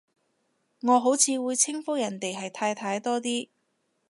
我好似會稱呼人哋係太太多啲